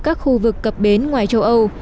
các khu vực cập bến ngoài châu âu